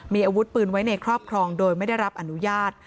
มีอาวุธปืนไว้ในครอบครองโดยไม่ได้รับอนุญาต